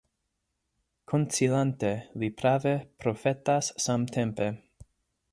Konsilante, li prave profetas samtempe.